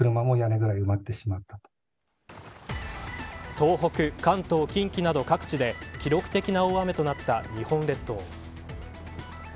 東北、関東、近畿など各地で記録的な大雨となった日本列島。